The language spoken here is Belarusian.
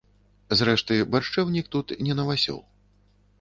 Зрэшты, баршчэўнік тут не навасёл.